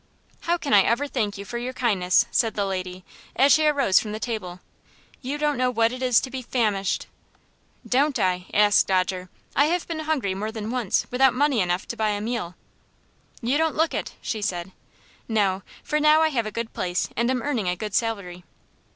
"How can I ever thank you for your kindness?" said the lady, as she arose from the table. "You don't know what it is to be famished " "Don't I?" asked Dodger. "I have been hungry more than once, without money enough to buy a meal." "You don't look it," she said. "No, for now I have a good place and am earning a good salary."